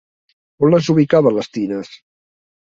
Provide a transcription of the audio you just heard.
On les ubicaven les tines?